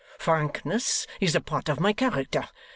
Frankness is a part of my character.